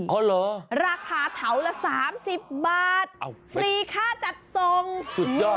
เพราะเหรอราคาเถาละสามสิบบาทอ้าวฟรีค่าจัดส่งสุดยอด